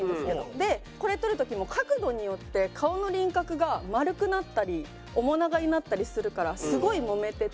でこれ撮る時も角度によって顔の輪郭が丸くなったり面長になったりするからすごいもめてて。